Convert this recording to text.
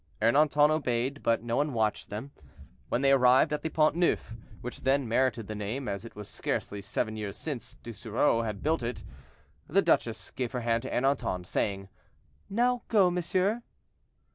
Ernanton obeyed, but no one watched them. When they arrived at the Pont Neuf, which then merited the name, as it was scarcely seven years since Ducerceau had built it, the duchess gave her hand to Ernanton, saying, "Now go, monsieur."